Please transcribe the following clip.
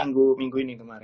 tengah minggu ini kemarin